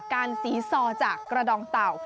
การศีษฐ์ซอจากกระดองเต่า